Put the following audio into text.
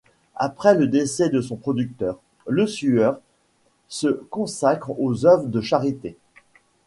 Après le décès de son protecteur, Lesueur se consacre aux œuvres de charité.